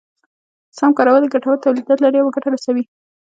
سم کارول يې ګټور توليدات لري او ګټه رسوي.